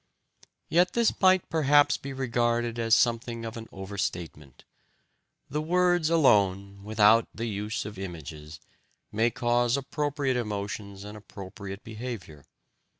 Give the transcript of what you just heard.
Yet this might perhaps be regarded as something of an overstatement. The words alone, without the use of images, may cause appropriate emotions and appropriate behaviour.